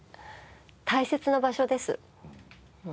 大切な場所です。